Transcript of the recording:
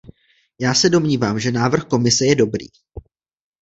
Já se domnívám, že návrh Komise je dobrý.